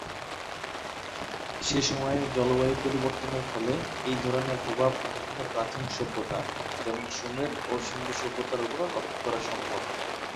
সে' সময়ে জলবায়ু পরিবর্তনের ফলে এইধরনের প্রভাব অন্যান্য প্রাচীন সভ্যতা, যেমন সুমের ও সিন্ধু সভ্যতার উপরও লক্ষ করা সম্ভব।